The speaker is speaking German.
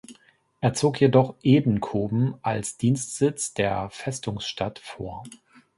Er zog jedoch Edenkoben als Dienstsitz der Festungsstadt vor.